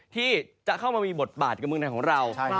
ที่จะเข้ามามีบทบาทกับเมืองไทยของเรา